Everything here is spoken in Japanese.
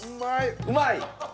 うまい！